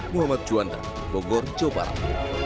muhammad juanda bogor jawa barat